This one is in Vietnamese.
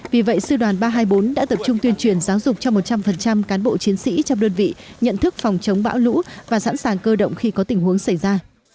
vì vậy sư đoàn ba trăm hai mươi bốn đã tập trung tuyên truyền giáo dục cho một trăm linh cán bộ chiến sĩ trong đơn vị nhận thức phòng chống bão lũ và sẵn sàng cơ động khi có tình huống xảy ra